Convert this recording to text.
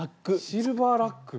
シルバーラック。